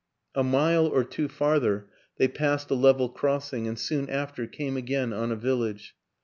A mile or two farther they passed a level cross ing and soon after came again on a village.